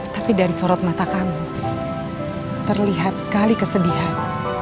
tapi dari sorot mata kamu terlihat sekali kesedihan